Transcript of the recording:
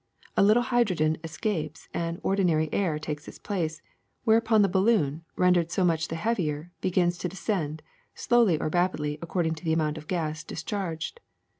A little hydrogen escapes and ordinary air takes its place, whereupon the balloon, rendered so much the heavier, begins to descend, slowly or rapidly according to the amount of gas discharged.